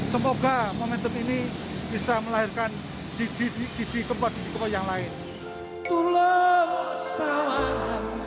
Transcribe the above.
semoga momentum ini bisa melahirkan didi kempot yang lain